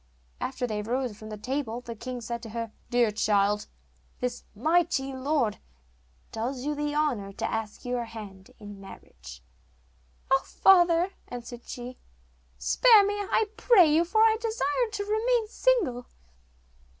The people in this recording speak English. After they arose from the table the king said to her, 'Dear child, this mighty lord does you the honour to ask your hand in marriage.' 'Oh, father,' answered she, 'spare me, I pray you, for I desire to remain single.